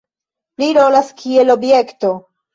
Pli rolas kiel objekto.